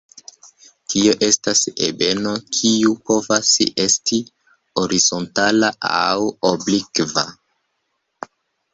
Tio estas ebeno, kiu povas esti horizontala aŭ oblikva.